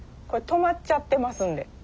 これ止まっちゃってますんで。